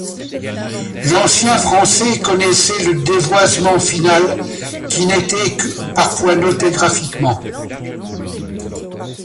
L'ancien français connaissait le dévoisement final, qui n'était que parfois noté graphiquement.